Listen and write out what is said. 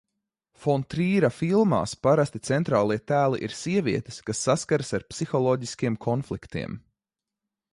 Fon Trīra filmās parasti centrālie tēli ir sievietes, kas saskaras ar psiholoģiskiem konfliktiem.